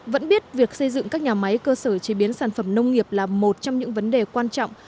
vẫn biết việc xây dựng các nhà máy cơ sở chế biến sản phẩm nông nghiệp là một trong những vấn đề quan trọng